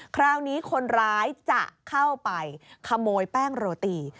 คราวนี้คนร้ายจะเข้าไปขโมยแป้งโรตี